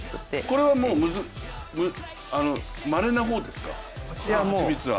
これはもうまれな方ですか、蜂蜜は？